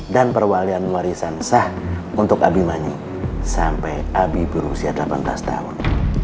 dan perwalian warisan sah untuk abi manyu sampai abi berusia delapan belas tahun